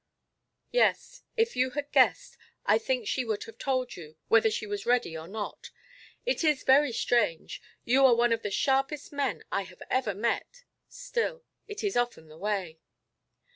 "Yes; if you had guessed, I think she would have told you, whether she was ready or not. It is very strange. You are one of the sharpest men I have ever met. Still, it is often the way."